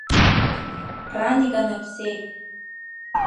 Ран иканаԥсеит.